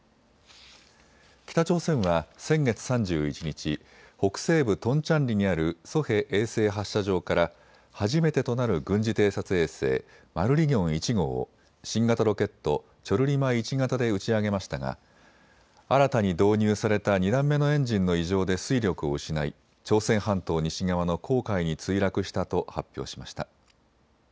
北朝鮮は先月３１日、北西部トンチャンリにあるソヘ衛星発射場から初めてとなる軍事偵察衛星マルリギョン１号を新型ロケット、チョルリマ１型で打ち上げましたが新たに導入された２段目のエンジンの異常で推力を失い朝鮮半島西側の黄海に墜落したと発表しました。